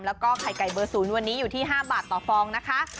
แล้วก็ไข่ไก่เบอร์๐วันนี้อยู่ที่๕บาทต่อฟองนะคะ